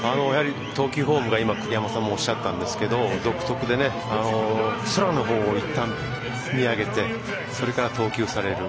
投球フォームが今、栗山さんもおっしゃったんですが独特で空のほうをいったん見上げてそれから投球される。